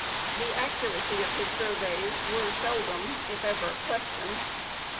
The accuracy of his surveys were seldom, if ever, questioned.